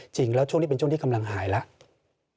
จริงแล้วช่วงนี้เป็นช่วงที่กำลังหายแล้ว